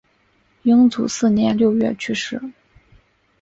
英祖四年六月去世。